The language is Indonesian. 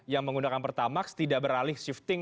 yang menggunakan pertamax tidak beralih shifting